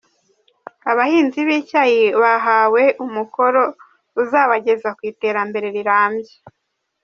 Abahinzi b’icyayi bahawe umukoro uzabageza ku iterambere rirambye.